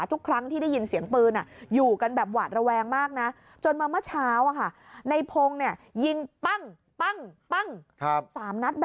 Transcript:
ถ้ายินเสียงก็ต่างคนต่างครั้ง